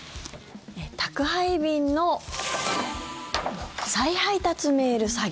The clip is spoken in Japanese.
宅配便の再配達メール詐欺。